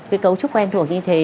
cái cấu trúc quen thuộc như thế